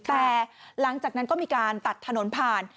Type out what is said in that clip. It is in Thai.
แต่หลังจากนั้นก็มีการตัดถนนผ่าน